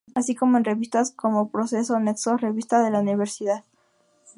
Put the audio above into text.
Así como en revistas como Proceso, Nexos, Revista de la Universidad.